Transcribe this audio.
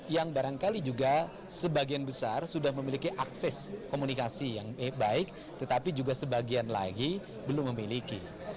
yang barangkali juga sebagian besar sudah memiliki akses komunikasi yang baik tetapi juga sebagian lagi belum memiliki